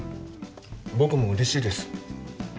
僕も嬉しいです